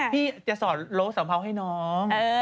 พี่จะสอร์ตเราสำเภาให้น้อง